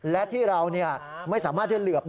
และที่เราเนี่ยไม่สามารถให้เหลือบดู